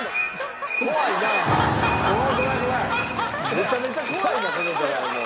めちゃめちゃ怖いなこのドラえもん。